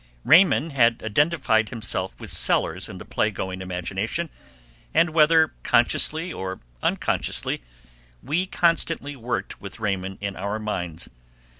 Raymond had identified himself with Sellers in the play going imagination, and whether consciously or unconsciously we constantly worked with Raymond in our minds.